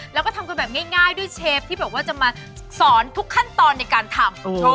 แล้วก็ทำกันแบบง่ายด้วยเชฟที่แบบว่าจะมาสอนทุกขั้นตอนในการทำ